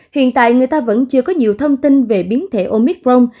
hiện tại người ta vẫn chưa có nhiều thông tin về biến thể omicron